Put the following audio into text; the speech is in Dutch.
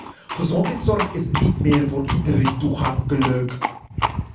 Gezondheidszorg is niet meer voor iedereen toegankelijk.